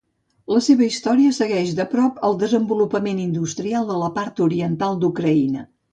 La seva història segueix de prop el desenvolupament industrial de la part oriental d'Ucraïna.